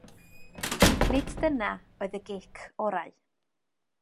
Nid dyna oedd y gic orau.